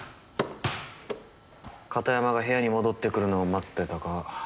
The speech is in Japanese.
片山が部屋に戻ってくるのを待ってたか。